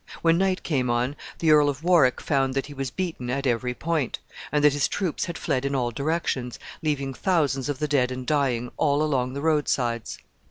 When night came on, the Earl of Warwick found that he was beaten at every point, and that his troops had fled in all directions, leaving thousands of the dead and dying all along the road sides.